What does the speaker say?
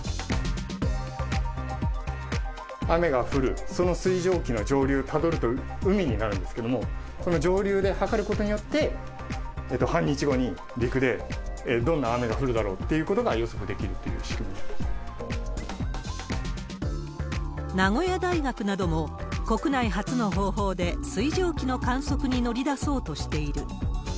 雨が降る、その水蒸気の上流たどると海になるんですけれども、その上流で測ることによって、半日後に陸でどんな雨が降るだろうということが予測できるという名古屋大学なども、国内初の方法で水蒸気の観測に乗り出そうとしている。